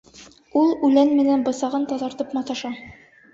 Ул үлән менән бысағын таҙартып маташа.